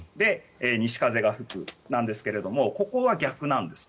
西風が吹くなんですが、ここは逆なんです。